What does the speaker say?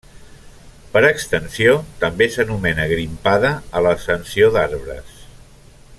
Per extensió, també s'anomena grimpada a l'ascensió d'arbres.